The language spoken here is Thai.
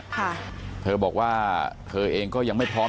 เธอบอกว่าเธอเองก็ยังไม่พร้อม